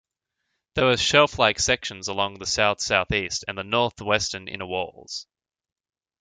There are shelf-like sections along the south-southeast and the northwestern inner walls.